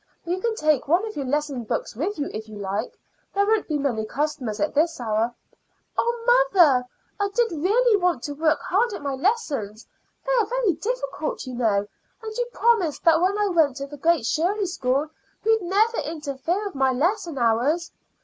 You can take one of your lesson books with you if you like. There won't be many customers at this hour." "Oh, mother, I did really want to work hard at my lessons. They are very difficult, you know, and you promised that when I went to the Great Shirley School you'd never interfere with my lesson hours."